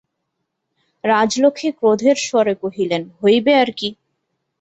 রাজলক্ষ্মী ক্রোধের স্বরে কহিলেন, হইবে আর কী।